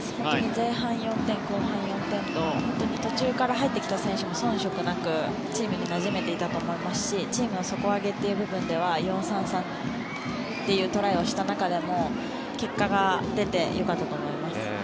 前半４点、後半４点途中から入ってきた選手も遜色なくチームになじめていたと思いますしチームの底上げという部分では４−３−３っていうトライをした中でも結果が出てよかったと思います。